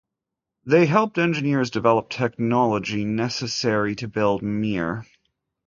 They helped engineers develop technology necessary to build Mir.